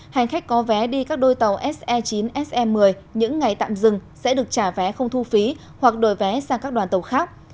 hành khách có vé đi các đôi tàu se chín se một mươi những ngày tạm dừng sẽ được trả vé không thu phí hoặc đổi vé sang các đoàn tàu khác